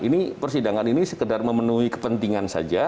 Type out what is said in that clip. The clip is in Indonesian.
ini persidangan ini sekedar memenuhi kepentingan saja